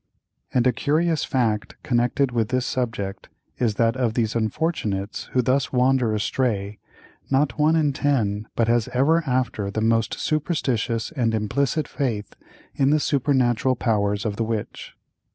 And a curious fact connected with this subject is, that of these unfortunates who thus wander astray, not one in ten but has ever after the most superstitious and implicit faith in the supernatural powers of the witch.